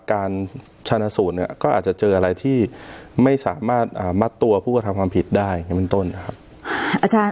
การชนะสูตรเนี่ยก็อาจจะเจออะไรที่ไม่สามารถมัดตัวผู้กระทำความผิดได้ในเบื้องต้นนะครับ